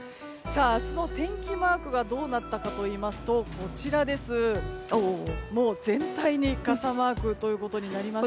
明日の天気マークがどうなったかといいますと全体に傘マークとなりました。